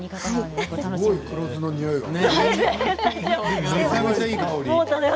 すごい黒酢の香りがね。